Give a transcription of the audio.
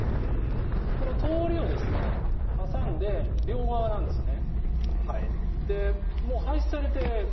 この通りを挟んで両側なんですね。